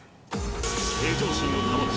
平常心を保ち